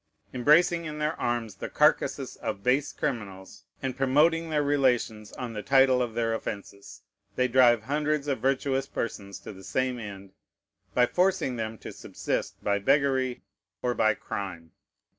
Embracing in their arms the carcasses of base criminals, and promoting their relations on the title of their offences, they drive hundreds of virtuous persons to the same end, by forcing them to subsist by beggary or by crime.